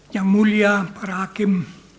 yang mulia para hakim